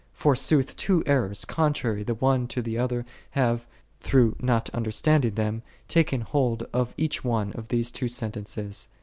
F"orsooth two errors, contrary the one to the other, have, through not understanding them, taken hold of each one of these two sentences.